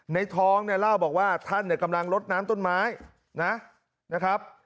ทองเนี่ยเล่าบอกว่าท่านเนี่ยกำลังลดน้ำต้นไม้นะครับ